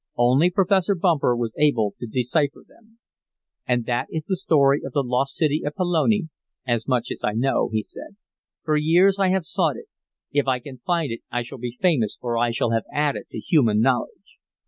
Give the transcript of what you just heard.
Only Professor Bumper was able to decipher them. "And that is the story of the lost city of Pelone as much as I know," he said. "For years I have sought it. If I can find it I shall be famous, for I shall have added to human knowledge."